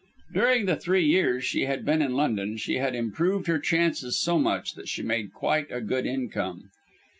During the three years she had been in London, she had improved her chances so much that she made quite a good income.